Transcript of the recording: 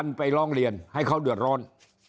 ในลองเรียนให้เขาเดือดร้อน